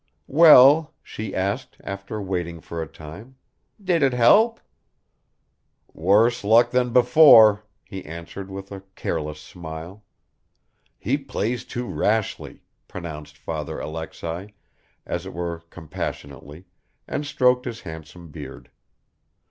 "Well," she asked after waiting for a time, "did it help?" "Worse luck than before," he answered with a careless smile. "He plays too rashly," pronounced Father Alexei, as it were compassionately, and stroked his handsome beard.